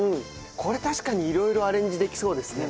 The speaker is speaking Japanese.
これ確かに色々アレンジできそうですね。